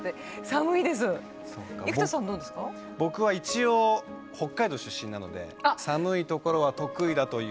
僕は一応北海道出身なので寒い所は得意だという。